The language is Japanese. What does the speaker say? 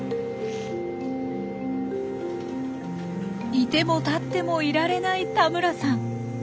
居ても立ってもいられない田村さん。